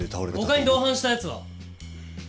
他に同伴した奴は？